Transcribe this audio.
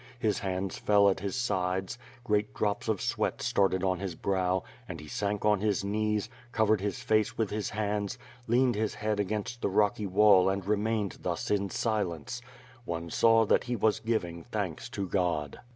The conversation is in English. His hands fell at his sides; great drops of sweat started on his brow; and he sank on his knees, covered his face with his hands, leaned his head against the rocky wall and remained thus in silence — one saw that he was giving thanks to God.